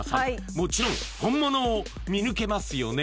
もちろん本物を見抜けますよね？